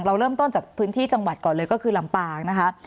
เราเริ่มต้นจากพื้นที่จังหวัดก่อนเลยก็คือลำปางนะคะ